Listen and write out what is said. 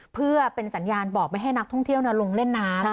เพื่อเป็นสัญญาณบอกไม่ให้นักท่องเที่ยวลงเล่นน้ำ